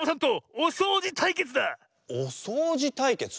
おそうじたいけつ？